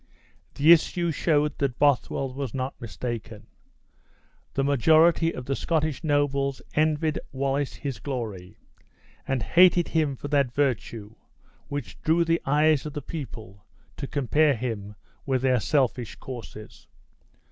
The issue showed that Bothwell was not mistaken. The majority of the Scottish nobles envied Wallace his glory, and hated him for that virtue which drew the eyes of the people to compare him with their selfish courses.